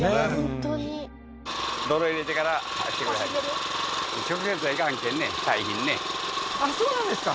本当にあっそうなんですか？